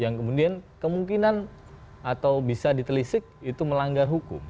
yang kemudian kemungkinan atau bisa ditelisik itu melanggar hukum